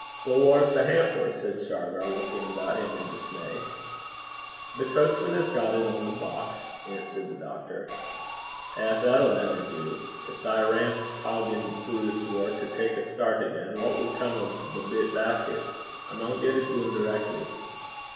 'But whaur's the hamper?' said Shargar, looking about him in dismay. 'The coachman has got it on the box,' answered the doctor. 'Eh! that'll never do. Gin thae rampaugin' brutes war to tak a start again, what wad come o' the bit basket? I maun get it doon direckly.'